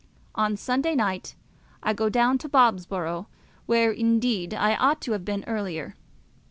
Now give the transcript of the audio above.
On Sunday night I go down to Bobsborough, where, indeed, I ought to have been earlier.